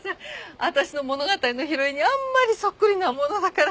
私の物語のヒロインにあんまりそっくりなものだから。